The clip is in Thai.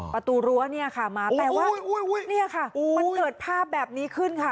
ประตูรั้วเนี่ยค่ะมาแต่ว่านี่ค่ะมันเกิดภาพแบบนี้ขึ้นค่ะ